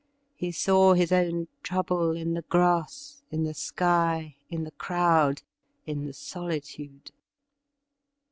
He saw his own trouble in the grass, in the sky, in the crowd, in the solitude.